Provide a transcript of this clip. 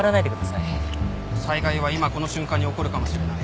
災害は今この瞬間に起こるかもしれない。